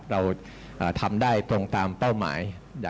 เราทำได้ตรงตามเป้าหมาย